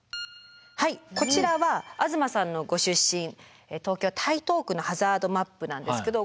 はいこちらは東さんのご出身東京・台東区のハザードマップなんですけど。